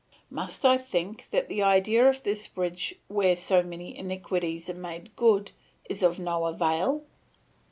Must I think that the idea of this bridge where so many iniquities are made good is of no avail?